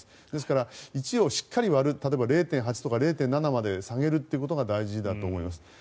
ですから、１をしっかり割る０．８とか０．７まで下げるということが大事だと思います。